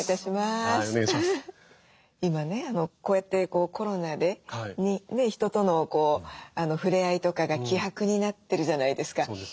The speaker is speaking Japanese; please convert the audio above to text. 今ねこうやってコロナで人との触れ合いとかが希薄になってるじゃないですか。